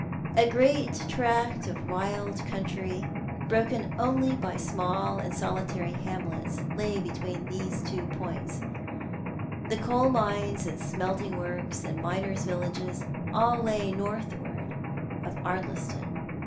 A great tract of wild 4 TJiou art tlie Man. country, broken only by small and solitary hamlets, lay between these two points. The coal mines and smelting works and miners' villages all lay northward of Ardliston.